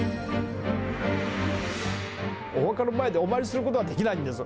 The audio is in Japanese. お墓の前でお参りすることができないんです。